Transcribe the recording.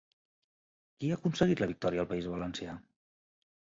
Qui ha aconseguit la victòria al País Valencià?